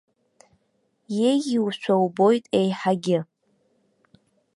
Еиӷьушәа убоит еиҳагьы.